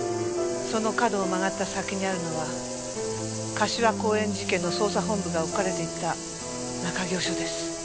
その角を曲がった先にあるのは柏公園事件の捜査本部が置かれていた中京署です。